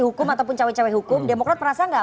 hukum ataupun cawai cawai hukum demokrat perasa gak